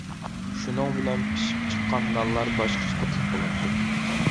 شۇنىڭ بىلەن پىشىپ چىققان نانلار باشقىچە تاتلىق بولاتتى.